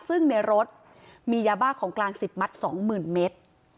ซึ่งในรถมียาบ้าของกลาง๑๐มัตต์๒๐๐๐เมตร